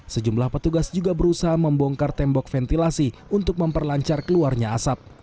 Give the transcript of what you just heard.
sejumlah petugas juga berusaha membongkar tembok ventilasi untuk memperlancar keluarnya asap